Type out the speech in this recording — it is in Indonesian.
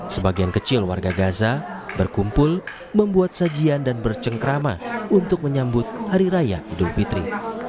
sebagian kecil warga gaza berkumpul membuat sajian dan bercengkrama untuk menyambut hari raya idul fitri